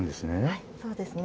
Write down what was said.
はいそうですね。